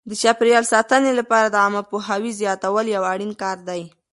د چاپیریال ساتنې لپاره د عامه پوهاوي زیاتول یو اړین کار دی.